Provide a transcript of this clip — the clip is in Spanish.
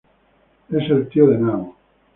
Es el tío de Nao.